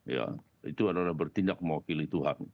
ya itu adalah bertindak mewakili tuhan